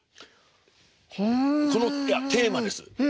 いやテーマです。